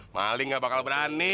maling gak bakal berani